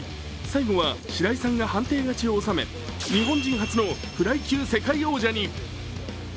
最後は白井さんが判定勝ちを収め日本人初のフライ級世界王者に。